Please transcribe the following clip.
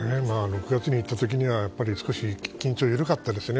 ６月に意図的に少し緊張が緩かったんですね。